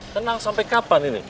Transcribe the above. tenang sampai kapan ini